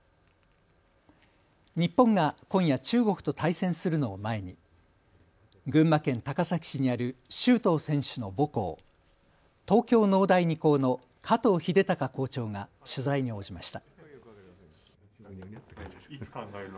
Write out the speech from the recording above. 日本が今夜中国と対戦するのを前に群馬県高崎市にある周東選手の母校、東京農大二高の加藤秀隆校長が取材に応じました。